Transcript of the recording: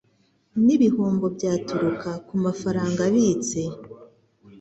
n ibihombo byaturuka ku mafaranga abitse